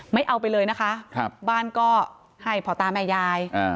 เอาไปเลยนะคะบ้านก็ให้พ่อตาแม่ยาย